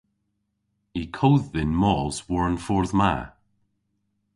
Y kodh dhyn mos war'n fordh ma.